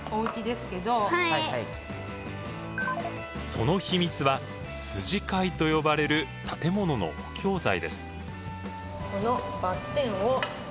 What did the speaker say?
その秘密は「筋交い」と呼ばれる建物の補強材です。